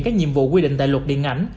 các nhiệm vụ quy định tại luật điện ảnh